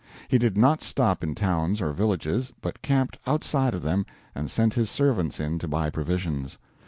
He did not stop in towns or villages, but camped outside of them and sent his servants in to buy provisions.